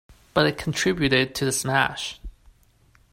But it contributed to the smash.